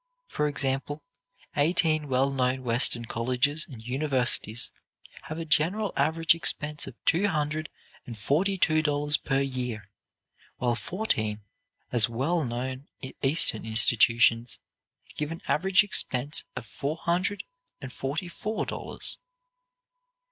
For example, eighteen well known Western colleges and universities have a general average expense of two hundred and forty two dollars per year, while fourteen as well known Eastern institutions give an average expense of four hundred and forty four dollars.